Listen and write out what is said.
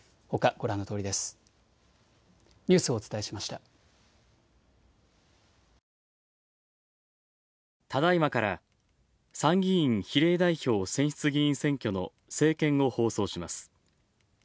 ただいまから参議院比例代表選出議員選挙の政見を放送します。